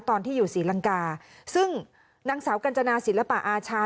ตอนที่อยู่ศรีลังกาซึ่งนางสาวกัญจนาศิลปะอาชา